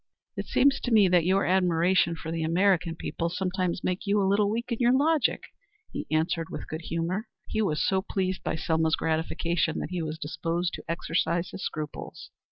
"It seems to me that your admiration for the American people sometimes makes you a little weak in your logic," he answered with good humor. He was so pleased by Selma's gratification that he was disposed to exorcise his scruples.